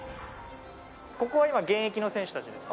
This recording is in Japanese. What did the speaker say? ここは今現役の選手たちですね。